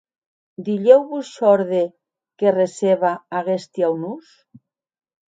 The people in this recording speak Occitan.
Dilhèu vos shòrde que receba aguesti aunors?